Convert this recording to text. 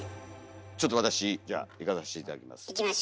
ちょっと私じゃあいかさして頂きます。